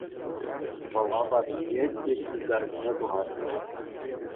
Вӑл апат ҫиет те килкартине тухать.